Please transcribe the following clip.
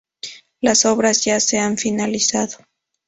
Las obras ya se han finalizado.